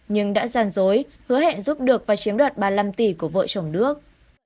nhưng đã gian dối hứa hẹn giúp được và chiếm đoạt ba mươi năm tỷ của vợ chồng đức